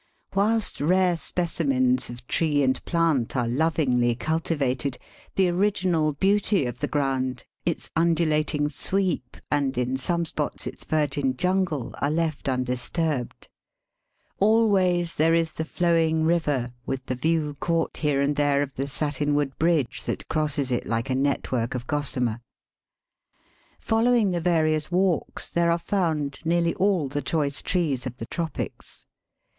Whilst rare specimens of tree and plant are lovingly cultivated, the original beauty of the ground, its undulating sweep, and in some spots its virgin jungle are left undisturbed. Always there is the flowing river, with the view caught here and there of the satinwood bridge that crosses it hke a Digitized by VjOOQIC 158 EAST BY WEST. network of gossamer. Following the various walks there are found nearly all the choice trees of the tropics.